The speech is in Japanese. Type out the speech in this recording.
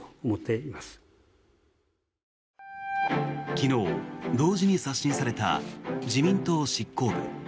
昨日、同時に刷新された自民党執行部。